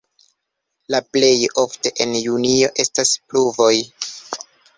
La plej ofte en junio estas pluvoj.